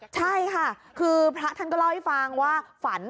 ใช่ค่ะคือพระท่านก็เล่าให้ฟังว่าฝัน